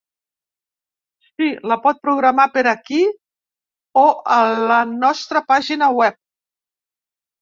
Si, la pot programar per aquí o a la nostra pàgina web.